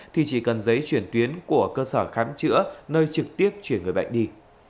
thì chỉ cần giấy chuyển tuyến của cơ sở khám chữa nơi trực tiếp chuyển người bệnh đi